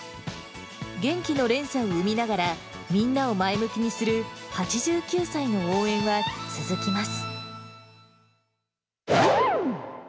元気の連鎖を生みながら、みんなを前向きにする８９歳の応援は続きます。